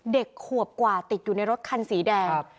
เด็กขวบกว่าติดอยู่ในรถคันสีแดง